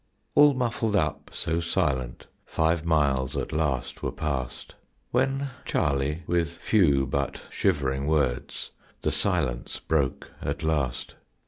All muffled up so silent, five miles at last were past When Charlie with few but shivering words, the silence broke at last.